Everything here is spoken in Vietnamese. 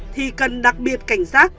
thì cần đặc biệt cảnh sát